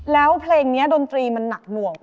แล้วเพลงนี้ดนตรีมันหนักหน่วง